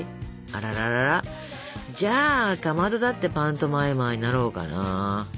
あららららじゃあかまどだってパントマイマーになろうかな。